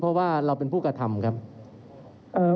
เรามีการปิดบันทึกจับกลุ่มเขาหรือหลังเกิดเหตุแล้วเนี่ย